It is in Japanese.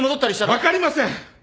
分かりません！